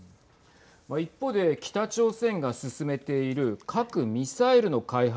一方で、北朝鮮が進めている核・ミサイルの開発